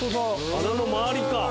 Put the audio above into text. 穴の周りか。